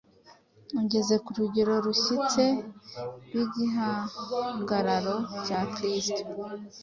ugeze ku rugero rushyitse rw’igihagararo cya Kisto,”